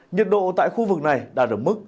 nhiệt độ tại khu vực này đạt được mức